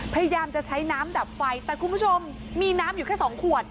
พยายามจะใช้น้ำดับไฟแต่คุณผู้ชมมีน้ำอยู่แค่สองขวด